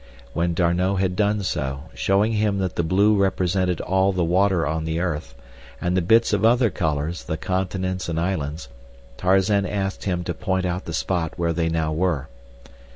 When D'Arnot had done so, showing him that the blue represented all the water on the earth, and the bits of other colors the continents and islands, Tarzan asked him to point out the spot where they now were.